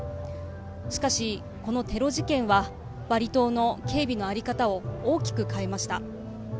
しかし、このテロ事件はバリ島の警備の在り方を大きく変えました。